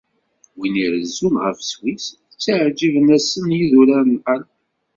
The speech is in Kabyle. Wid irezzun ɣef Sswis ttiεǧiben-asen yidurar n Alp.